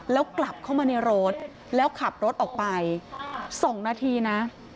แล้วกลับเข้ามาในรถแล้วขับรถออกไป๒นาทีนะ